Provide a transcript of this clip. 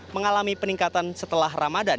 mengalami peningkatan setelah ramadan